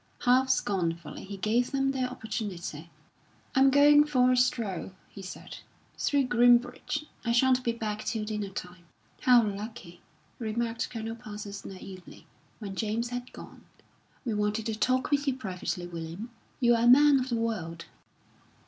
Half scornfully he gave them their opportunity. "I'm going for a stroll," he said, "through Groombridge. I shan't be back till dinner time." "How lucky!" remarked Colonel Parsons naively, when James had gone. "We wanted to talk with you privately, William. You're a man of the world."